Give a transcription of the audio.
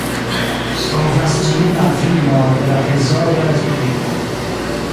Kovras ĝin la vino de la trezoro de la respubliko.